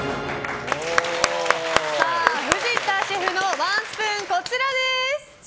藤田シェフのワンスプーンこちらです。